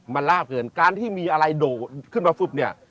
มันลาบเกินการที่มีอะไรโดดขึ้นมาปุ๊บเนี่ย